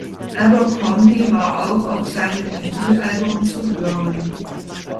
Abercrombie war auch auf seinem Debütalbum zu hören.